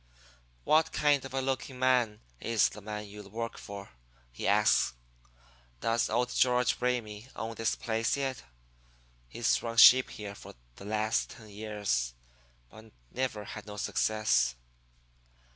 "'What kind of a looking man is the man you work for?' he asks. 'Does old George Ramey own this place yet? He's run sheep here for the last ten years, but never had no success.'